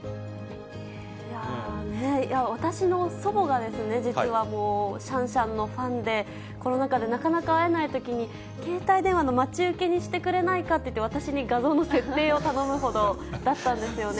私の祖母が、実はもうシャンシャンのファンで、コロナ禍でなかなか会えないときに、携帯電話の待ち受けにしてくれないかって言って、私に画像の設定を頼むほどだったんですよね。